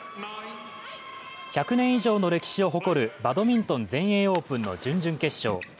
１００年以上の歴史を誇るバドミントン全英オープンの準々決勝。